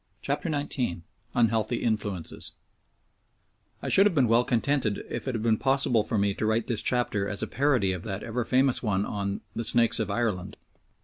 CHAPTER XIX UNHEALTHY INFLUENCES I should have been well contented if it had been possible for me to write this chapter as a parody of that ever famous one on "The Snakes of Ireland."